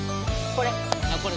これ？